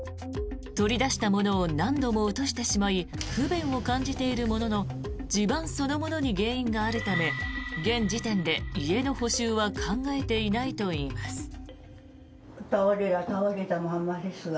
取り出したものを何度も落としてしまい不便を感じているものの地盤そのものに原因があるため現時点で家の補修は考えていないといいます。